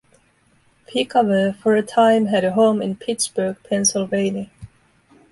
Piccaver for a time had a home in Pittsburgh, Pennsylvania.